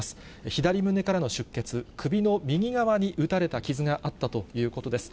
左胸からの出血、首の右側に撃たれた傷があったということです。